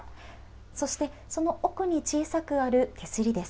そしてその奥に小さくある手すりです。